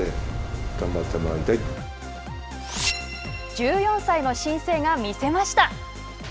１４歳の新星が見せました。